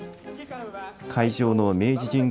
会場の明治神宮